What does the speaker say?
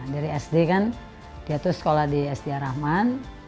dari sd kan dia tuh sekolah di sd araman